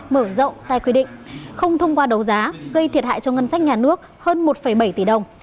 mở rộng sai quy định không thông qua đấu giá gây thiệt hại cho ngân sách nhà nước hơn một bảy tỷ đồng